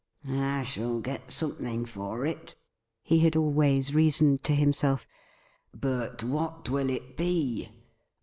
' I shall get something for it,' he had always reasoned to himself, ' but what will it be